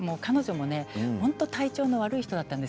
彼女も本当に体調の悪い人だったんです。